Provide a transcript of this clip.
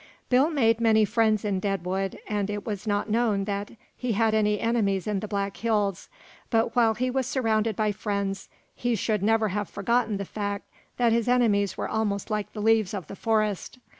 Bill made many friends in Deadwood, and it was not known that he had any enemies in the Black Hills, but while he was surrounded by friends, he should never have forgotten the fact that his enemies were almost like the leaves of the forest.